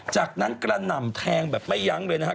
จากนั้นกระหน่ำแทงแบบไม่ยั้งเลยนะครับ